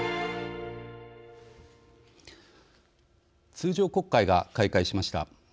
通常国会が開会しました。